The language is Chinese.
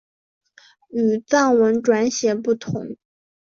与藏文转写不同。